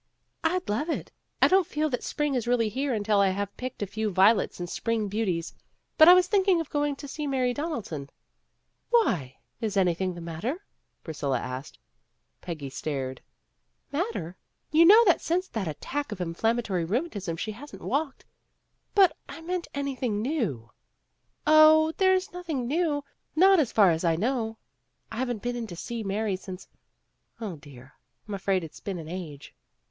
"I'd love it. I don't feel that spring is really here until I have picked a few violets and spring beauties. But I was thinking of going to see Mary Donaldson." "Why, is anything the matter?" Priscilla asked. 22 A TELEPHONE PARTY 23 Peggy stared. "Matter! You know that since that attack of inflammatory rheumatism she hasn't walked " "But I meant anything new." "0, there's nothing new, not as far as I know. I haven't been in to see Mary since 0, dear, I'm afraid it's been an age."